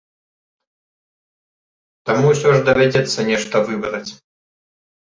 Таму ўсё ж давядзецца нешта выбраць.